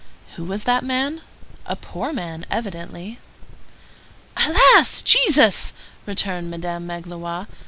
Who was that man? A poor man, evidently." "Alas! Jesus!" returned Madame Magloire.